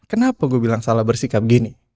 kenapa gue bilang salah bersikap gini